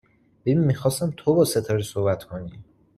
ببین، می خواستم تو با ستاره صحبت کنی